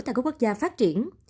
tại các quốc gia phát triển